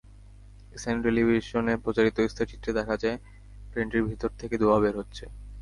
স্থানীয় টেলিভিশনে প্রচারিত স্থিরচিত্রে দেখা যায়, ট্রেনটির ভেতর থেকে ধোঁয়া বের হচ্ছে।